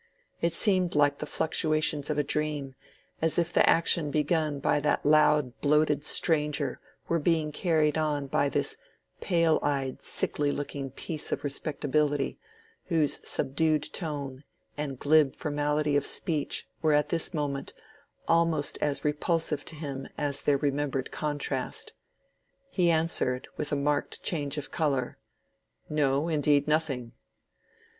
It seemed like the fluctuations of a dream—as if the action begun by that loud bloated stranger were being carried on by this pale eyed sickly looking piece of respectability, whose subdued tone and glib formality of speech were at this moment almost as repulsive to him as their remembered contrast. He answered, with a marked change of color— "No, indeed, nothing."